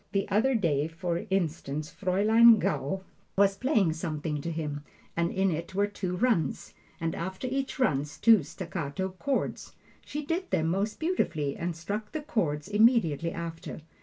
The other day, for instance, Fraulein Gaul was playing something to him, and in it were two runs, and after each run two staccato chords. She did them most beautifully and struck the chords immediately after.